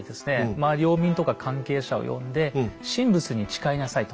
まあ領民とか関係者を呼んで神仏に誓いなさいと。